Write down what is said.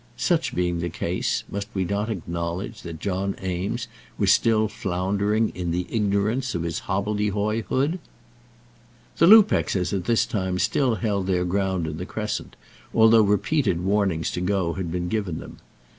Such being the case, must we not acknowledge that John Eames was still floundering in the ignorance of his hobbledehoyhood? The Lupexes at this time still held their ground in the Crescent, although repeated warnings to go had been given them. Mrs.